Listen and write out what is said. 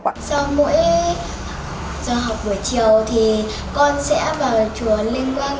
cho mỗi giờ học buổi chiều thì con sẽ vào chùa linh quang